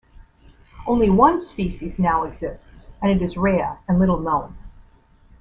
Only one species now exists, and it is rare and little known.